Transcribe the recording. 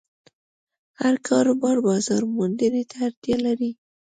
هر کاروبار بازارموندنې ته اړتیا لري.